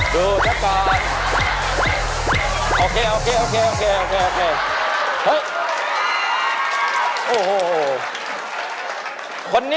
ดูซักตอน